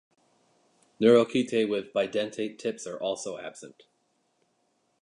Neurochaetae with bidentate tips are also absent.